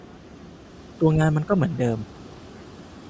ตัวงานมันก็เหมือนเดิม